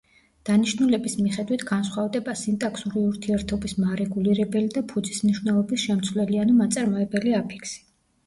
დანიშნულების მიხედვით განსხვავდება: სინტაქსური ურთიერთობის მარეგულირებელი და ფუძის მნიშვნელობის შემცვლელი ანუ მაწარმოებელი აფიქსი.